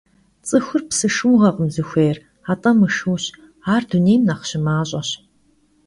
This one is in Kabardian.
Ts'ıxur psı şşıuğekhım zıxuêyr, at'e mışşıuş, ar dunêym nexh şımaş'eş.